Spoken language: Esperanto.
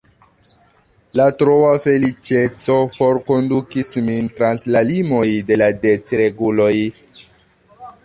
La troa feliĉeco forkondukis min trans la limoj de la decreguloj.